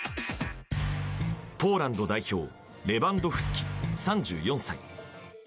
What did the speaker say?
ポーランド代表レバンドフスキ、３４歳。